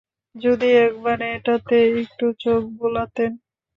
যদি একবার এটাতে একটু চোখ বুলাতেন।